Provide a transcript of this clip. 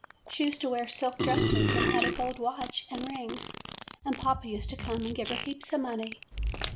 She used to wear silk dresses and had a gold watch and rings, and papa used to come and give her heaps of money.